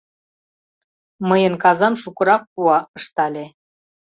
— Мыйын казам шукырак пуа, — ыштале.